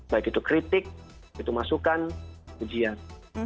baik itu kritik itu masukan ujian